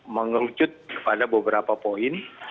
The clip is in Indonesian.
mengerucut kepada beberapa poin